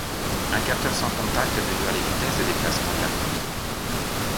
Un capteur sans contact mesure les vitesses de déplacement de la poutre.